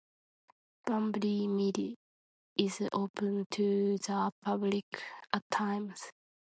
Bunbury Mill is open to the public at times.